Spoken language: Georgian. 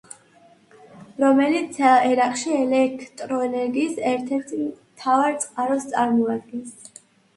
რომელიც ერაყში ელექტროენერგიის ერთ-ერთი მთავარ წყაროს წარმოადგენს.